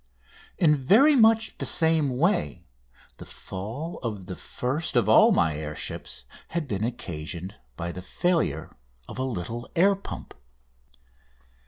In very much the same way the fall of the first of all my air ships had been occasioned by the failure of a little air pump.